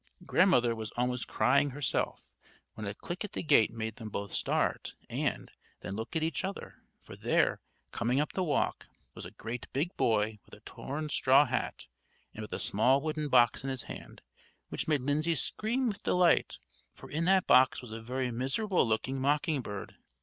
Grandmother was almost crying herself, when a click at the gate made them both start and, then look at each other; for there, coming up the walk, was a great big boy with a torn straw hat, and with a small wooden box in his hand, which made Lindsay scream with delight, for in that box was a very miserable looking mocking bird.